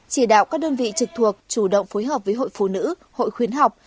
chỉ đạo các đơn vị trực thuộc chủ động phối hợp với hội phụ nữ hội khuyến học